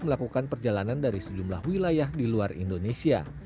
melakukan perjalanan dari sejumlah wilayah di luar indonesia